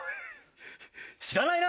知らないな。